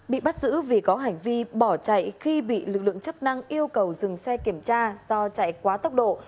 bị bắt giữ vì có hành vi bỏ chạy khi bị lực lượng chức năng yêu cầu dừng xe kiểm tra do chạy quá tốc độ